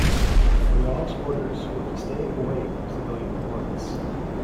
Royall's orders were to stay away from civilian courts.